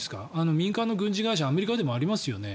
民間の軍事会社はアメリカにもありますよね。